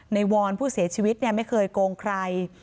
ในวอนผู้เสียชีวิตเนี่ยไม่เคยโกงใคร